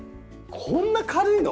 こんな軽いの！？